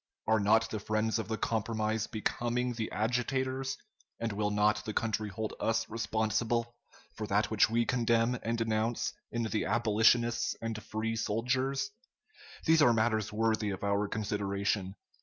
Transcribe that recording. Are not the friends of the compromise becoming the agitators, and will not the country hold us responsible for that which we condemn and denounce in the abolitionists and Free soldiers? These are matters worthy of our consideration.